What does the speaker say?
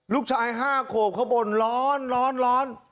ลูกชายห้าโคบเข้าบนร้อนร้อนร้อน